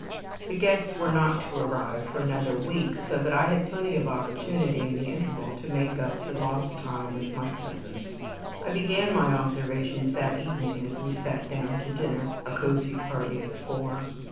The guests were not to arrive for another week, so that I had plenty of opportunity in the interval to make up for lost time with my cousins. I began my observations that evening as we sat down to dinner, a cozy party of four.